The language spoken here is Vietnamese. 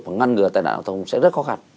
và ngăn ngừa tai nạn giao thông sẽ rất khó khăn